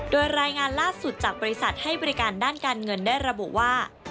โดยรายงานล่าสุดจากบริษัทให้บริการด้านการเงินได้ระบุว่า